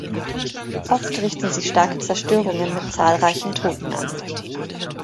Oft richten sie starke Zerstörungen mit zahlreichen Toten an.